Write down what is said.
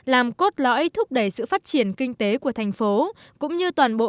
làm cốt lõi thúc đẩy sự phát triển kinh tế của thành phố